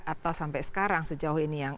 atau sampai sekarang sejauh ini yang